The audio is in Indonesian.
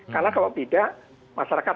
karena kalau tidak masyarakat